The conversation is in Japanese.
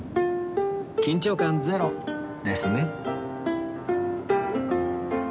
緊張感ゼロですね